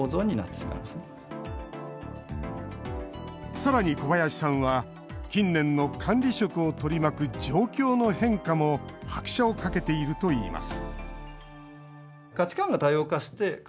さらに小林さんは、近年の管理職を取り巻く状況の変化も拍車をかけているといいます